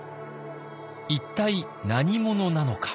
一体何者なのか。